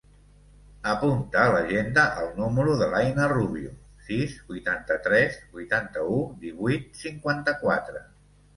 Apunta a l'agenda el número de l'Aïna Rubio: sis, vuitanta-tres, vuitanta-u, divuit, cinquanta-quatre.